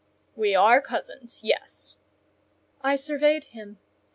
"We are cousins; yes." I surveyed him.